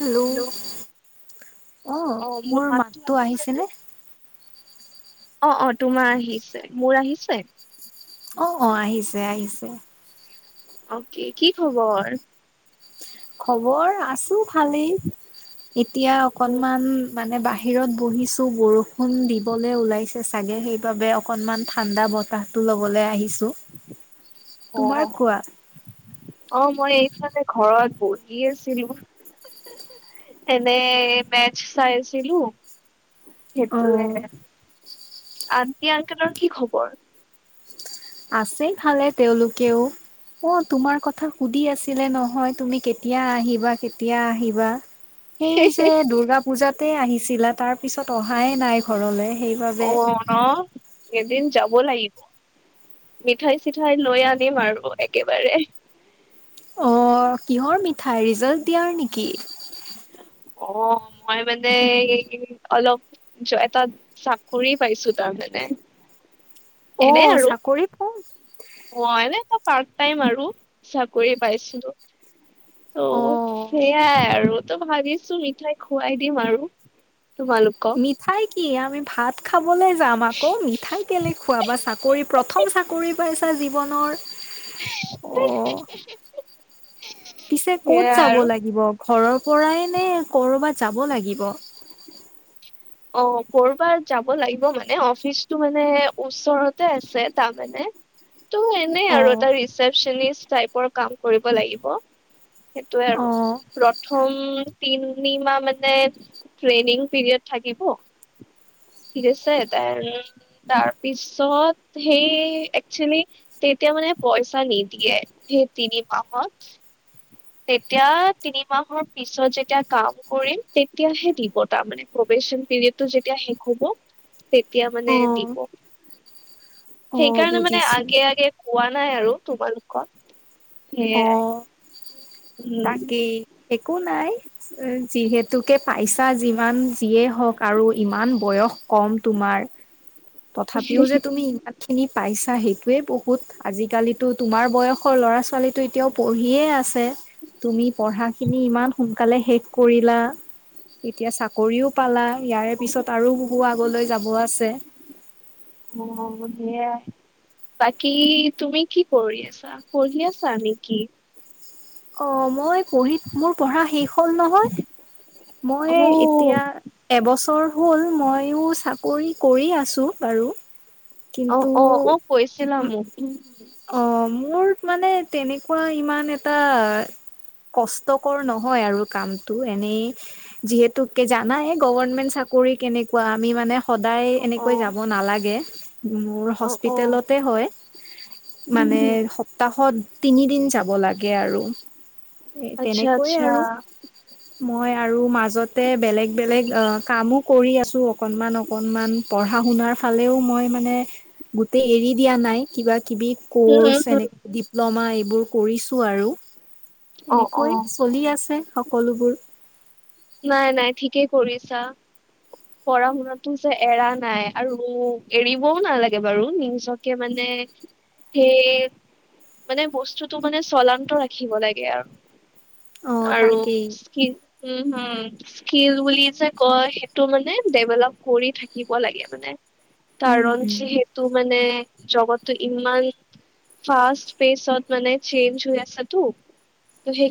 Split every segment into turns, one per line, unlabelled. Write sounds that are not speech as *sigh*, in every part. Hello অ', মোৰ
মাতটো
মাততো
আহিছে নে?
আহিছেনে?
অ', অ', তোমাৰ আহিছে, মোৰ আহিছে?
অ', অ', আহিছে আহিছে।
অকে কি খবৰ?
খবৰ আছোঁ ভালেই, এতিয়া অকনমান মানে বাহিৰ বাহিৰত বহিছোঁ বৰষুণ দিবলৈ ওলাইছে চাগে, সেইবাবে অকণমান ঠাণ্ডা বতাহটো ল'ব লবলে আহিছোঁ।
অ', অ', অ, মই বিচনাতে ঘৰত বহি আছিলোঁ। এনে মেচ চাই আছিলো।
অ
সেইটোৱে আনটি -আংকেলৰ কি খবৰ?
আছে ভালে তেওঁলোকেও। অ, তোমাৰ কথা সুধি আছিলে নহয় তুমি কেতিয়া আহিবা -কেতিয়া আহিবা? সেই যে দূৰ্গা পুজাতে আহিছিলা তাৰ পিছত অহাই নাই ঘৰলে।
অ,
সেইবাবে
ন' এদিন যাব ব লাগিব মিঠাই চিঠাই লৈ আনিম আৰু একেবাৰে।
অ, কিহৰ মিঠাই ৰিজাল্ট দিয়াৰ নেকি?
অ, মই মানে এই অলপ জ এটা চাকৰি পাইছোঁ তাৰমানে। *unintelligible*
অ, চাকৰি পচ
পোৱা নাই এটা পাৰ্ট টাইম আৰু চাকৰি পাইছিলোঁ। ত'
অ'।
সেয়াই আৰু তো ভাবিছোঁ মিঠাই খোৱাই দিম আৰু। তোমালোকক
মিঠাই কি আমি ভাত খাব কলৈ যাম আকৌ মিঠাই কেলে খোৱাবা, চাকৰি প্ৰথম চাকৰি পাইছা জীৱনৰ। অ'।
*unintelligible*
পিছে ক'ত
সেয়াই
যাব
আৰু
লাগিব ঘৰৰ পৰাই নে ক'ৰবাত যাব লাগিব।
অ' কৰ'বাত যাব লাগিব মানে অফিচটো মানে ওচৰতে আছে তাৰ মানে ত এনে আৰু
অ',
এটা ৰিচিপচনিষ্ট টাইপৰ কাম কৰিব লাগিব। সেইটোয়ে আৰু
অ',
প্ৰথম তিনিমাহ মানে ট্ৰেইনিং পিৰিয়ড। থাকিব। ঠিক আছে দেন তাৰপিছত সেই একচেলি তেতি তেতিয়া মানে পইচা নিদিয়ে সেই তিনি মাহত। তেতিয়া তিনি মাহৰ পিছত যেতিয়া কাম কৰিম তেতিয়াহে দিব তাৰমানে প্ৰৱেশ যেতিয়া শেষ হব তেতিয়া মানে
অ',
দিব।
অ',
সেইকাৰণে মানে
বুজিছো
আগে-আগে কোৱা নাই আৰু তোমালোকক সেয়াই।
অ',
উম
তাকেই। একো নাই যিহেতুকে পাইছা যিমান যিয়ে হওঁক আৰু ইমান বয়স কম তোমাৰ তথাপিও যে তুমি ইমান খিনি পাইছা সেইটোৱে বহুত, আজিকালিতো তোমাৰ বয়সৰ ল'ৰা-ছোৱালী এতিয়াও পঢ়িয়ে আছে। তুমি পঢ়াখিনি ইমান সোনকালে শেষ কৰিলা এতিয়া চা চাকৰিও পালা ইয়াৰে পিছত আৰু বহু আগলৈ যাব আছে।
অ' সেয়া। বাকী তুমি কি কৰি আছা? পঢ়ি আছা নেকি?
অ' মই পঢ়ি মোৰ পঢ়া শেষ হ'ল নহয়। মই
অ
এতিয়া এবছৰ হ'ল মইয়ো চাকৰি কৰি আছোঁ বাৰু। কিন্তু
অ', অ', অ', কৈছিলা মোক।
অ, মোৰ মানে তেনেকুৱা ইমান এটা কষ্টকৰ নহয় আৰু কামটো এনেই যিহেতু কে জানাই গভৰ্ণমেণ্ট চাক কৰি কেনেকুৱা আমি মানে সদায়
অ অ
এনেকৈ যাব নালাগে মোৰ
অ অ
হস্পিতেলতে হয়। মানে
উম
সপ্তাহত তিনিদিন যাব লাগে আৰু। এ
আচ্ছা
তেনেকৈয়ে
আচ্ছা
আৰু। মই আৰু মাজতে বেলেগ-বেলেগ অ, কামো কৰি আছোঁ অকণমান-অকণমান পঢ়া পঢ়া-শুনাৰ ফালেও মই মানে গোটেই এৰি দিয়া নাই কিবা কিবি
উম উম
কৰ্চ এনে
উম
ডিপ্ল'মা এইবোৰ কৰিছোঁ আৰু
অ অ
এনেকৈ চলি আছে সকলোবোৰ।
নাই-নাই ঠিকেই কৰিছা। পঢ়া-শুনাটো যে এৰা নাই আৰু এৰিবও নালাগে বাৰু নিজকে মানে সেই মানে বস্তুটো মানে চলান্ত ৰাখিব লাগে আৰু।
অ',
আৰু
তাকেই
কি উম। হম স্কিল বুলি যে কয় সেইটো মানে ডেভেলপ কৰি থাকিব লাগে মানে।
উম,
কাৰণ
উম,
যিহেতো মানে জবতটো ইমান ফাষ্ট পেছত মানে চেঞ্জ হৈ আছে তো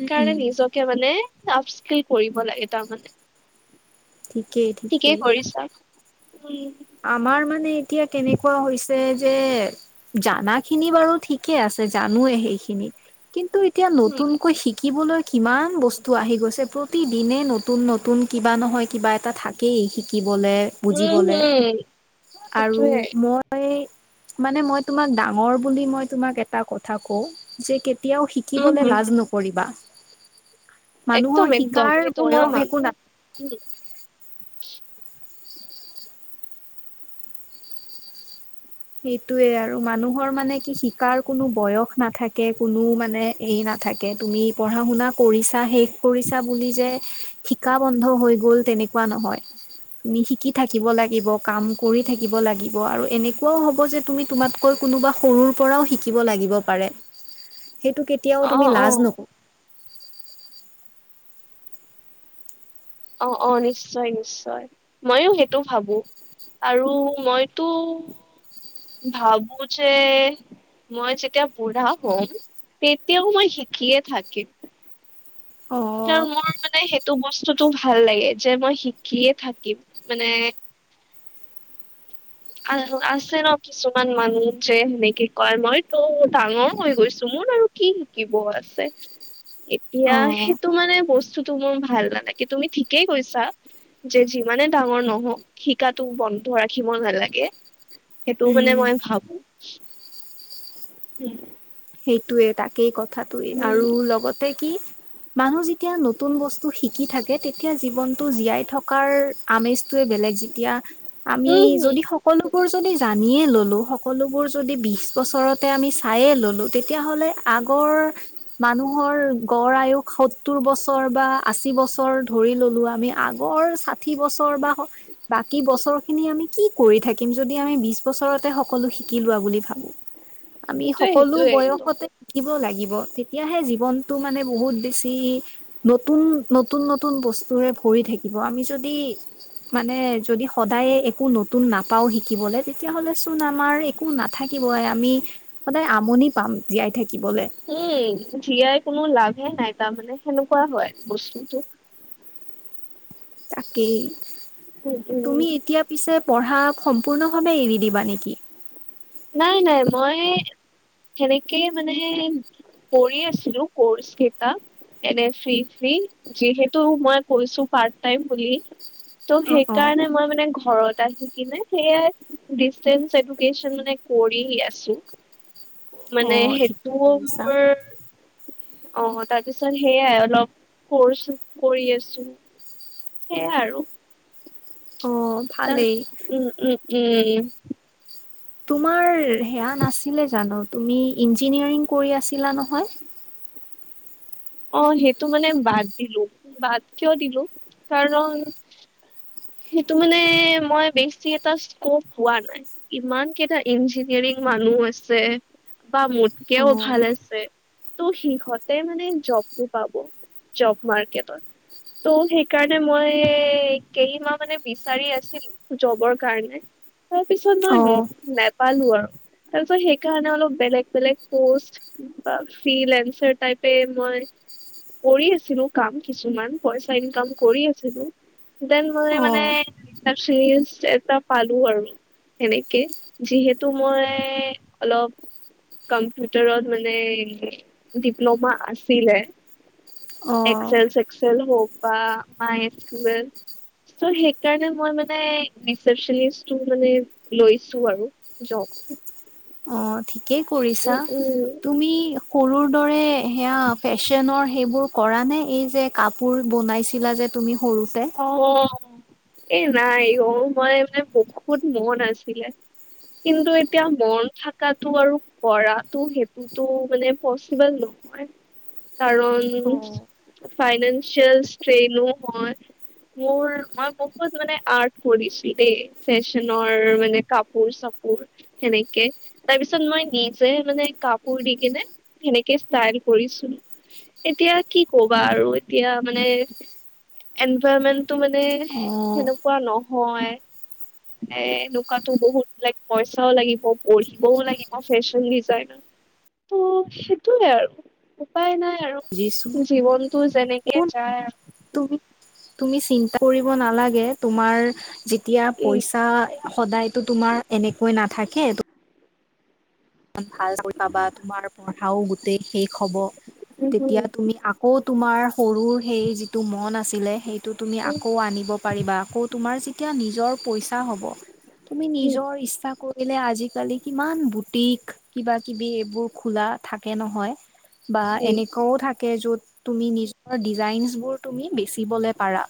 উম, উম,
নিজকে মানে টাফ স্কিল কৰিব লাগে তাৰমানে।
ঠিকেই ঠিকেই।
উম।
আমাৰ মানে এতিয়া কেনেকুৱা হৈছে যে, জানা খিনি বাৰু ঠিকে আছে জানোৱে সেইখিনি কিন্তু এতিয়া
হুম,
নতুনকৈ শিকিবলৈ কিমান বস্তু আহি গৈছে প্ৰতিদিনে নতুন নতুন কিবা নহয় কিবা এটা থাকেই শিকি বলে,
উম,
বুজিবলে
হুম,
আৰু
সেইটোয়ে।
মই মানে মই তোমাক ডাঙৰ বুলি মই তোমাক এটা কথা কওঁ যে কেতিয়াও
উম,
শিকিবলৈ
হুম,
লাজ
হুম,
নকৰিবা।
একদম
মানুহৰ
একদম
শিকাৰ
সেইটো মই
বয়স
মানো
একো না
উম।
সেইটোয়ে আৰু মানুহৰ মানে কি শিকাৰ কোনো বয়স নাথাকে কোনো মানে এই না থাকে তুমি পঢ়া-শুনা কৰিছা, শেষ কৰিছা বুলি যে শিকা বন্ধ হৈ গ'ল। এনেকুৱা নহয় তুমি শিকি থাকিব লাগিব, কাম কৰি থাকিব লাগিব আৰু এনে কোৱা হ'ব যে তুমি তোমাতকৈ কোনোবা সৰুৰ পৰাও শিকিব লাগিব পাৰে। সেইটো কেতিয়াও তুমি
অ', অ',
লাজ নক
অ, অ, নিশ্চয় নিশ্চয় ময়ো সেইটো ভাৱো। আৰু মইতো ভাবোঁ যে মই যেতিয়া বুঢ়া হ'ম, তেতিয়াও মই শিকিয়ে থাকিম।
অ
তেওঁ মোৰ মানে হেটো টো বস্তুতটো ভাল লাগে যে, মই শিকিয়ে থাকিম মানে। আ-আছে ন কিছুমান মানুহ? যে সেনেকে কয় মই তো ডাঙৰ হৈ গৈছো। মোৰ আৰু কি শিকিব আছে?
অ
এতিয়া সেইটো মানে বস্তুটো মোৰ ভাল নালাগে, তুমি ঠিকেই কৈছা যে যি যিমানে ডাঙৰ নহওঁক শিকাটো বন্ধ ৰাখিব নালাগে। গে সেইটো মানে
উম
মই ভাবোঁ।
সেইটোৱে তাকেই কথাটোৱে আৰু লগতে কি? মানুহ যেতিয়া নতুন বস্তু শিকি থাকে, তেতিয়া জীৱনটো জীয়াই থকাৰ আমেজটো বেলেগ যেতিয়া আমি
উম হম
যদি সকলো বোৰ যদি জানিয়ে ল'লো, সকলোবোৰ যদি বিছ বছৰতে আমি চাইয়ে ল'লো। তেতিয়াহ'লে আগৰ মানুহৰ গড় আয়ুস সত্তৰ বছৰ বা আশী বছৰ ধৰি ল'লো আমি আগৰ ষাঠি বছৰ বা বাকী বছৰ খিনি আমি কি? কৰি থাকিম, যদি আমি বিশ বছৰতে সকলো শিকি লোৱা বুলি ভাবোঁ। আমি
সেইটোয়ে
সকলো
সেইটোয়ে একদম
বয়সতে শিকিব লাগি গিব তেতিয়াহে জীৱনতটো মানে বহুত বেছি নতুন, নতুন, নতুন বস্তুৰে ভৰি থাকিব আমি যদি মানে যদি সদায় একো নতুন নাপাওঁ শিকিবলে, তেতিয়াহ'লে চোন আমাৰ একো নাথা কিবয়ে আমি সদায় আমনি পাম জীয়াই থাকি।
উম, জীয়াই কোনো লাভে নাই, তাৰমানে সেনেকুৱা হয় বস্তুটো।
তাকেই।
উম উম
তুমি এতিয়া পিছে পঢ়া সম্পূৰ্ণ ভাৱে এৰি দিবা নেকি?
নাই, নাই। মই সেনেকেই মানে কৰি আছিলো কৰ্চ কেইটা। এনে ফ্ৰী, ফ্ৰী যিহেতু মই কৈছো পাৰ্ট টাইম বুলি। তো'
অ', অ',
সেইকাৰণে মই মানে ঘৰত আহি কিনে সেয়াই, ডিচটেন্স এডুকেশ্বন মানে কৰি আছোঁ, মানে
অ', ঠিকেই
সেইটো
কৰিছা
মোৰ অ, তাৰপিছত সেইয়াই অলপ কৰ্চ কৰি আছোঁ। সেইয়াই আৰু
অ',
তান
ভালেই
উম, উম, উম।
তোমাৰ হেয়া নাছিলে জানো? তুমি ইঞ্জিনিয়াৰিং কৰি আছিলা নহয়।
অ, সেইটো মানে বাদ দিলো, বাদ কিয় দিলো কাৰণ সেইটো মানে মই বেছি এটা স্কপ হোৱা নাই। ইমান কেইটা ইঞ্জিনিয়াৰিং মানুহ আছে বা মোতকেও ভাল
অ',
আছে। ত' সিহঁতে মানে জবটো পাব, জব মাৰ্কেটত। ত' সেইকাৰণে মই কেইমাহ মানে বিচাৰি আছিলোঁ জবৰ কাৰণে। তাৰ পিছত নই নে
অ',
নেপালো আৰু তাৰপিছত, সেইকাৰণে অলপ বেলেগ, বেলেগ পষ্ট বা ফ্ৰী-লেঞ্চাৰ টাইপে মই কৰি আছিলোঁ কাম কিছুমান পইচা ইনকাম কৰি আছিলোঁ। দেন মই মানে
অ',
*unintelligible* এটা পালো আৰু সেনেকে, যিহেতু মই অলপ কম্পিউটাৰত মানে ডি ডিপ্ল'মা আছিলে।
অ',
এক্সেল চেক্সেল হওঁক বা *unintelligible* সেইকাৰণে মই মানে ৰিছেপছনিষ্ট টো মানে লৈছো আৰু জব। *unintelligible*
অ, ঠিকেই কৰিছা।
উম উম
তুমি সৰু দৰে সেয়া ফেশ্বনৰ সেইবোৰ কৰা নে এই যে কাপোৰ বনাইছিলা যে তুমি সৰুতে?
অ'। এ নাই অ মই যে বহুত মন আছিলে। কিন্তু এতিয়া মন থাকাটো আৰু কৰাটো সেইটোতো মানে পচিবল নহয়। কাৰণ ফাইনেন্চিয়েল ষ্ট্ৰেইন ন হয়। মোৰ মই বহুত মানে আৰ্ট কৰিছো দেই ফেশ্বনৰ মানে কাপোৰ চ সেনেকে তাৰপিছত মই নিজে মানে কাপোৰ দি কিনে সেনেকে চাই কৰিছো এতিয়া কি কবা আৰু এতিয়া মানে এন পেমেন্টো মানে
অ',
সেনেকুৱা নহয়। এ এনেকুৱাতো বহুত ল পইচাও লাগিব পঢ়িবও লাগিব ফেশ্বন ডিজাইন ত' সেইটোৱে আৰু উপায় নাই।
বুজিছো
আৰু জীৱনতটো যেনেকে
একো
যায় আৰু।
তুমি তুমি চিন্তা কৰিব নালাগে। তোমাৰ যেতিয়া পইচা সদায়তো তোমাৰ এনেকৈ নাথাকে। তুমি ভাল পাবা তোমাৰ পঢ়াও গোটেই শেষ হব। তেতিয়া তুমি আকৌ তোমাৰ সৰু সেই যিটো মন আছিলে সেইটো তুমি আকৌ আনিব পাৰিবা আকৌ তোমাৰ যেতিয়া নিজৰ পইচা হব তুমি নিজৰ ইচ্ছা কৰিলে আজিকালি কিমান বুটিক কিবা কিবি এইবোৰ খোলা থাকে নহয় বা এনেকুৱাও থাকে যত তুমি নিজৰ ডিজাইনছবোৰ তুমি বেচিবলৈ পাৰা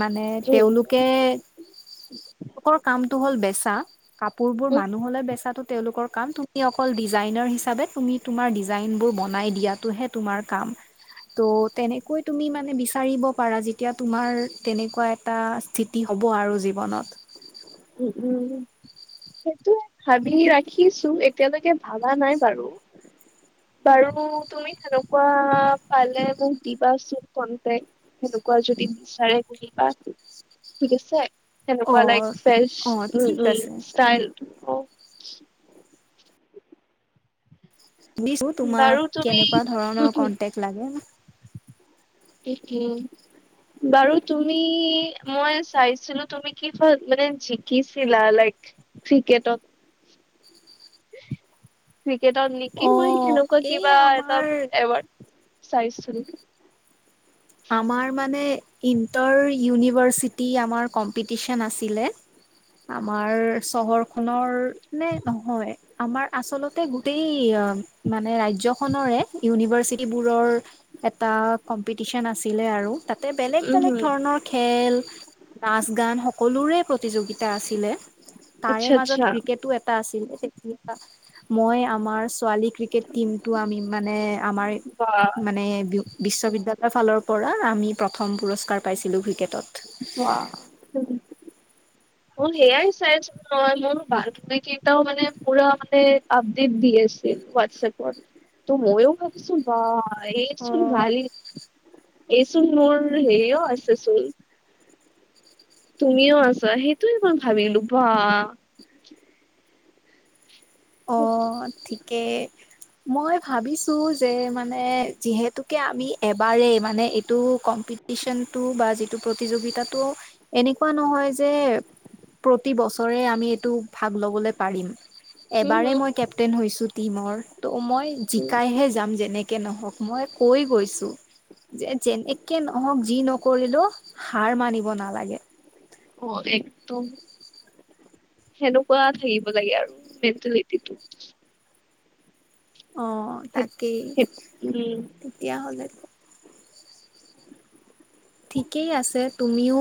মানে তেওঁলোকে তেওঁলোকৰ কাম টো হল বেচা কাপোৰ বোৰ মানুহ বেচাটো তেওঁলোকৰ কাম তুমি অকল ডিজাইনাৰ হিচাপে তুমি তোমাৰ ডিজাইনবোৰ বনাই দিয়াটোহে তোমাৰ কাম। ত' তেনেকৈ তুমি মানে বিচাৰিব পাৰা যেতিয়া তোমাৰ তেনেকুৱা এটা স্থিতি হব। ব আৰু জীৱনত।
উম উম। সেইটোৱে ভাবি ৰাখিছোঁ এতিয়ালৈকে ভাবা নাই বাৰু। বাৰু তুমি সেনেকুৱা পালে মোক দিবাচোন কন্টেক সেনেকুৱা। যদি বিচাৰে কিবা ঠিক আছে। সেনেকুৱা
অ',
লাইক ফেচ
অ', ঠিক
উ, উ
আছে
*unintelligible* ষ্টাইল অ'। *inaudible*
ধিছো তোমাক
বাৰু তুমি
কেনেকুৱা ধৰণৰ কন্টেক লাগে
এইটো বাৰু তুমি মই চাইছিলো তুমি কিহত মানে জিকিছিলা লাইক ক্ৰিকেটত ক্ৰিকেটত নেকি মই
অ',
সেনেকুৱা
এই
কিবা এটা
আমাৰ
এৱাৰ্ড চাইছোঁ
আমাৰ মানে ইণ্টৰ ইউনিভাৰ্চিটি আমাৰ কম্পিটিচন আছিলে আম আমাৰ চহৰ খনৰ নে নহয় আমাৰ আচলতে গোটেই অ মানে ৰাজ্যখনৰে ইউনিভাৰ্চিটি বোৰৰ এটা কম্পি টিচন আছিলে আৰু তাতে বেলেগ
উম
বেলেগ
হম
ধৰণৰ খেল নাচ গান সক সকলোৰে প্ৰতিযোগিতা আছিলে তাৰে
আচ্ছা
মাজত
আচ্ছা
ক্ৰিকেটো এটা আছ ছিল মই আমাৰ ছোৱালী ক্ৰিকেট টিম টো আমি মানে আমাৰ
বাহ
মানে বিশ্ববিদ্যা লয়ৰ ফালৰ পৰা আমি প্ৰথম পুৰস্কাৰ পাইছিলোঁ ক্ৰিকেটত
ওৱাও মই সেইয়াই চাইছিলো নহয় মোৰ বান্ধবীকেইটাও কেইটাও মানে পুৰা মানে আপডেট দি দি আছিল হোৱাটছএপত ত মইও ভাবিছো বা এই
অ
চোন ভাল এইচোন মোৰ হেৰিও আছে চোন তুমিও আছা সেইটো মই ভাবিলো বা।
অ' ঠিকে মই ভাবিছো যে মানে যিহেতুকে আমি এবাৰেই মানে এইটো কম্পিটিচনটো বা যিটো প্ৰতিযোগিতাটো এনেকুৱা নহয় যে প্ৰতি বছৰে আমি এইটো ভাগ ল'বলে পাৰিম
উম হম
এবাৰেই মই কেপটেইন হৈছোঁ টীমৰ ত' মই জিকাইহে যাম যেনেকে নহওক। মই কৈ গৈছোঁ যে যেন একে নহওক যি নকৰিলেও সাৰ মানিব নালাগে।
অ' একদম। সেনেকুৱা থাকিব লাগে আৰু মেণ্টেলিটিটো।
অ'
সেই
তাকেই
সেই উম
তেতিয়া হ'লে ঠিকেই আছে তুমিও